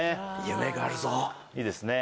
夢があるぞいいですね